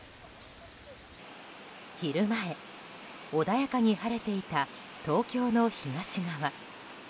昼前、穏やかに晴れていた東京の東側。